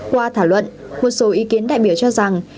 qua thảo luận một số ý kiến đại biểu cho rằng